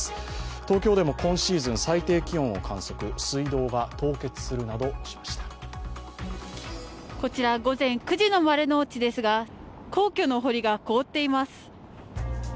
東京でも今シーズン最低気温を観測、水道が凍結するなどしましたこちら、午前９時の丸の内ですが、皇居のお堀が凍っています。